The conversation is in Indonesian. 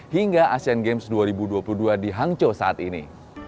hingga asean games dua ribu dua puluh dua di hangzhou saat ini